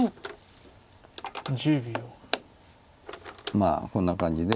まあこんな感じで。